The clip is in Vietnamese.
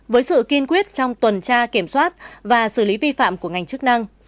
với sự kiên quyết trong tuần tra kiểm soát và xử lý vi phạm của ngành chức năng